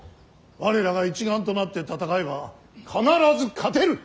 我らが一丸となって戦えば必ず勝てる。